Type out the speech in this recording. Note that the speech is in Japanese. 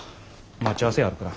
待ち合わせあるから。